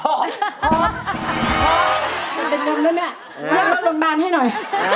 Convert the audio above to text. เป็นเดิมด้วยเนี่ยเรียกรอบโรงพยาบาลให้หน่อย